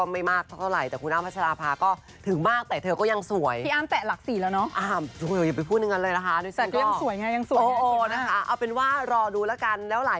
มันมากพอสมควรนะครับ